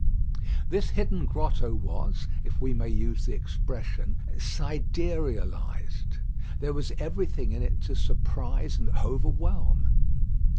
This hidden grotto was, if we may use the expression, siderealised. There was everything in it to surprise and overwhelm.